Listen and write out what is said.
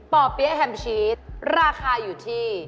่อเปี๊ยะแฮมชีสราคาอยู่ที่